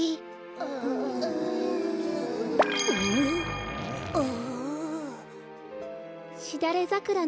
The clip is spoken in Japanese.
ああ。